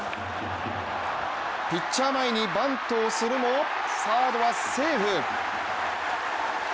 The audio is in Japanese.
ピッチャー前にバントをするも、サードはセーフ。